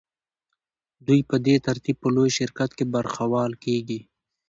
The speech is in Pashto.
دوی په دې ترتیب په لوی شرکت کې برخوال کېږي